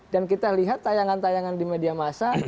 dan kita lihat tayangan tayangan di media masa